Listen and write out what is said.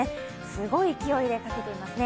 すごい勢いでかけていますね